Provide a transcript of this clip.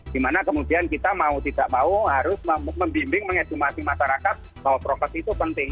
dimana kemudian kita mau tidak mau harus membimbing mengedukasi masyarakat bahwa prokes itu penting